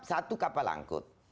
satu kapal angkut